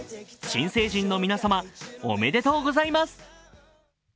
新成人の皆様、おめでとうございます！